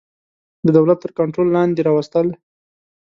د دولت تر کنټرول لاندي راوستل.